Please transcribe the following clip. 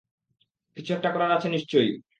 কিছু একটা করার আছে নিশ্চয়ই।